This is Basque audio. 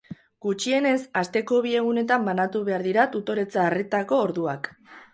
Gutxienez asteko bi egunetan banatu behar dira tutoretza-arretako orduak.